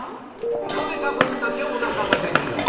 食べた分だけ、おなかが出るように。